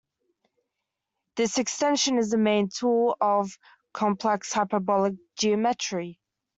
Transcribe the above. This extension is the main tool of Complex Hyperbolic Geometry.